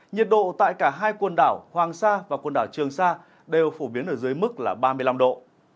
nhiệt độ tại cả hai quần đảo hoàng sa và quần đảo trường sa đều phổ biến ở dưới mức là ba mươi năm độ